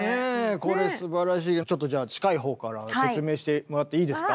これすばらしいちょっとじゃあ近い方から説明してもらっていいですか？